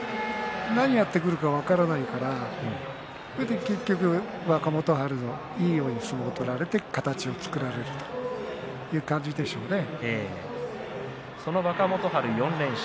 何をやってくるか分からないから結局、若元春のいいように相撲を取られて形を作られるその若元春４連勝。